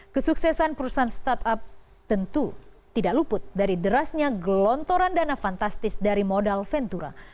kesuksesan perusahaan startup tentu tidak luput dari derasnya gelontoran dana fantastis dari modal ventura